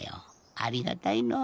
ありがたいの。